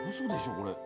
これ。